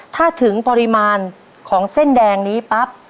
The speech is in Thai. ถ้าถึงปริมาณของเส้นแดงนี้ปั๊บ